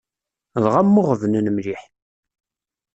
Dɣa mmuɣebnen mliḥ.